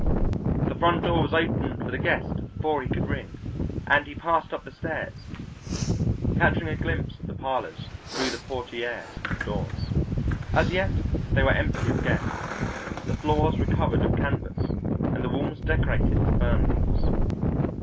The front door was opened for the guest before he could ring, and he passed up the stairs, catching a glimpse of the parlours through the portières of the doors. As yet they were empty of guests, the floors were covered with canvas, and the walls decorated with fern leaves.